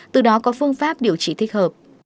từ đó có phương pháp điều trị thích hợp